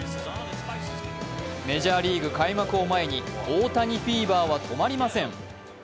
メジャーリーグ開幕を前に大谷フィーバーは止まりません。